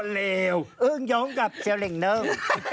ฝั่งนี้อึ้มย้งกับเจี๊ยวเล็กเนิ่ง